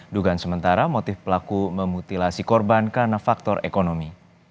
dugaan sementara motif pelaku memutilasi korban karena faktor ekonomi